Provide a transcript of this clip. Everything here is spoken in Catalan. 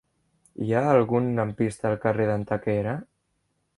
Hi ha algun lampista al carrer d'Antequera?